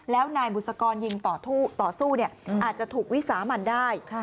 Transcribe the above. แล้วนายบุษกรยิงต่อสู้อาจจะถูกวิสามันได้